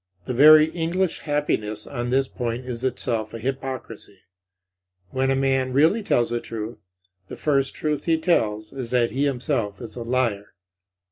The very English happiness on this point is itself a hypocrisy. When a man really tells the truth, the first truth he tells is that he himself is a liar.